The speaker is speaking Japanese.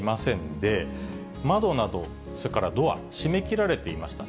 で、窓など、それからドア、閉めきられていました。